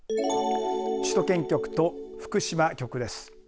首都圏局と福島局です。